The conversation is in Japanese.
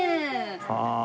はあ。